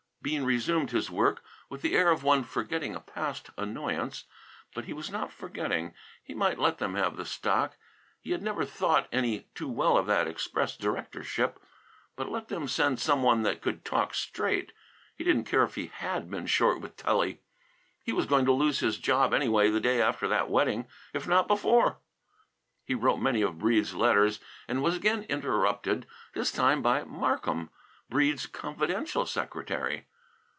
Bean resumed his work, with the air of one forgetting a past annoyance. But he was not forgetting. He might let them have the stock; he had never thought any too well of that express directorship; but let them send some one that could talk straight. He didn't care if he had been short with Tully. He was going to lose his job anyway, the day after that wedding, if not before. He wrote many of Breede's letters, and was again interrupted, this time by Markham, Breede's confidential secretary.